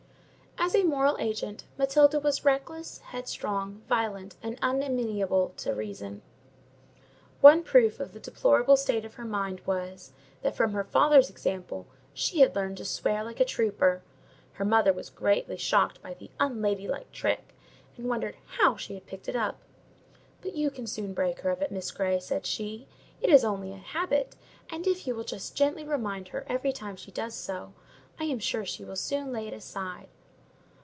As a moral agent, Matilda was reckless, headstrong, violent, and unamenable to reason. One proof of the deplorable state of her mind was, that from her father's example she had learned to swear like a trooper. Her mother was greatly shocked at the "unlady like trick," and wondered "how she had picked it up." "But you can soon break her of it, Miss Grey," said she: "it is only a habit; and if you will just gently remind her every time she does so, I am sure she will soon lay it aside."